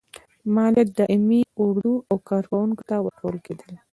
مالیات دایمي اردو او کارکوونکو ته ورکول کېدل.